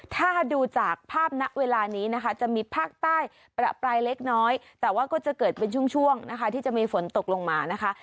ถ้าดูจากภาพณเวลานี้นะคะจะมีภาคใต้ประปรายเล็กน้อยแต่ว่าก็จะเกิดเป็นช่วงนะคะที่จะมีฝนตกลงมานะคะ